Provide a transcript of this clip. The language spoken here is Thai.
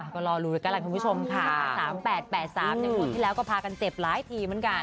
ก็รอดูแล้วกันแหละคุณผู้ชมค่ะ๓๘๘๓อย่างงวดที่แล้วก็พากันเจ็บหลายทีเหมือนกัน